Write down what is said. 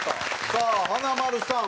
さあ華丸さん